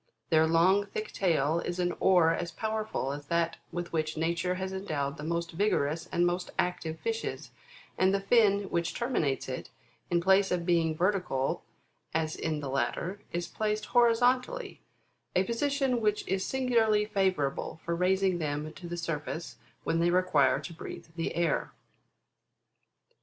Their long, thick tail is an oar as powerful as that with which nature has endowed the most vigorous and most active fishes, and the fin which terminates it, in place of being vertical, as in the latter, is placed horizontally, a position which is singularly favourable for raising them to the surface when they require to breathe the air.